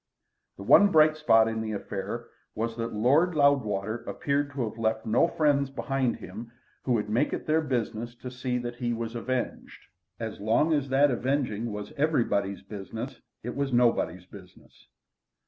The one bright spot in the affair was that Lord Loudwater appeared to have left no friends behind him who would make it their business to see that he was avenged. As long as that avenging was everybody's business it was nobody's business.